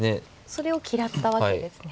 それを嫌ったわけですね。